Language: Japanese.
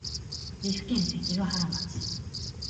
岐阜県関ケ原町